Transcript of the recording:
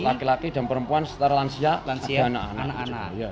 laki laki dan perempuan setara lansia dan anak anak